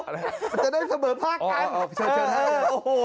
เดี๋ยวจะได้เสมอภาคกัน